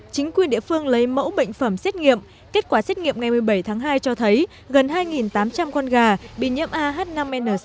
chính quyền địa phương lấy mẫu bệnh phẩm xét nghiệm kết quả xét nghiệm ngày một mươi bảy tháng hai cho thấy gần hai tám trăm linh con gà bị nhiễm ah năm n sáu